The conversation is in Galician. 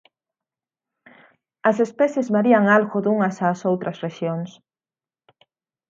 As especies varían algo dunhas ás outras rexións.